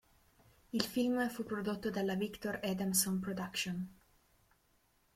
Il film fu prodotto dalla Victor Adamson Productions.